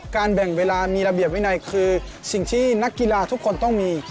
แบ่งเวลามีระเบียบวินัยคือสิ่งที่นักกีฬาทุกคนต้องมี